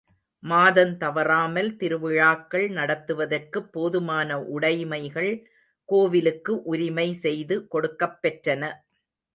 மாதந் தவறாமல் திருவிழாக்கள் நடத்துவதற்குப் போதுமான உடைமைகள் கோவிலுக்கு உரிமை செய்து கொடுக்கப் பெற்றன.